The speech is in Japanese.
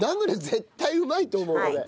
絶対うまいと思う俺。